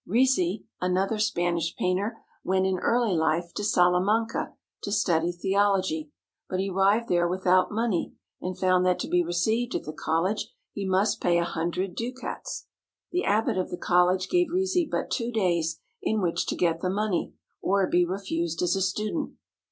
Rizi, another Spanish painter, went in early life to Salamanca to study theology, but he arrived there without money, and found that to be received at the college he must pay a hundred ducats. The abbot of the college gave Rizi but two days in which to get the money, or be refused as a student.